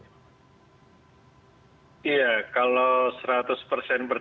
iya kalau seratus percaya malah saya heran